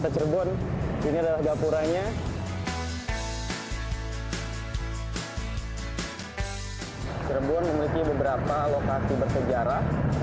cirebon memiliki beberapa lokasi bersejarah